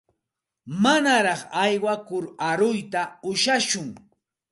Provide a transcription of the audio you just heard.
Manaraq aywakur aruyta ushashun.